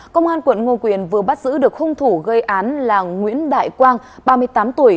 công an quận ngô quyền vừa bắt giữ được hung thủ gây án là nguyễn đại quang ba mươi tám tuổi